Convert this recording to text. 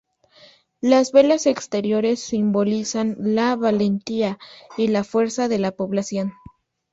Las velas exteriores simbolizan la valentía y la fuerza de la población.